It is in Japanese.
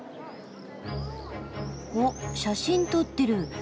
おっ写真撮ってる。